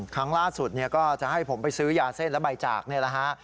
ครั้งล่าสุดก็จะให้ผมไปซื้อยาเส้นและใบจากนี่แหละฮะ